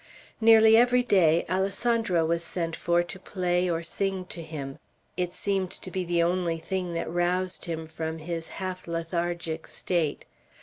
Nearly every day Alessandro was sent for to play or sing to him. It seemed to be the only thing that roused him from his half lethargic state.